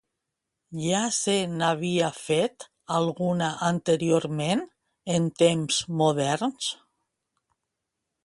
Ja se n'havia fet alguna anteriorment, en temps moderns?